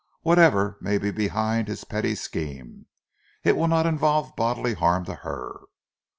Whatever may be behind his pretty scheme, it will not involve bodily harm to her.